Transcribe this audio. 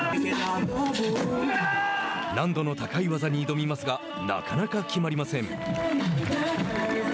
難度の高い技に挑みますがなかなか決まりません。